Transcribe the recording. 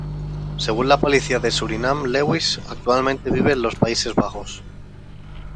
Según la policía de Surinam Lewis actualmente vive en los Países Bajos.